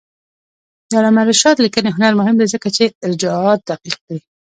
د علامه رشاد لیکنی هنر مهم دی ځکه چې ارجاعات دقیق دي.